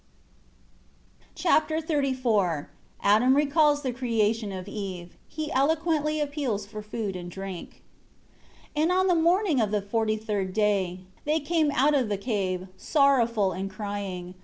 Chapter XXXIV Adam recalls the creation of Eve. He eloquently appeals for food and drink. 1 And on the morning of the forty third day, they came out of the cave, sorrowful and crying.